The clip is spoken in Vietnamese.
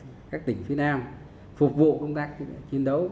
ở các tỉnh phía nam phục vụ công tác